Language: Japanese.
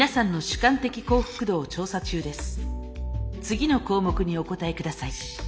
次の項目にお答えください。